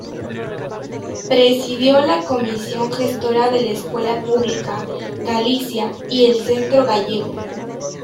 Presidió la comisión gestora de la escuela pública Galicia y del Centro Gallego.